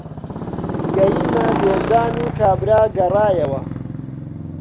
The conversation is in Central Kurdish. گەیمە بێجان و کابرا گەڕاوە.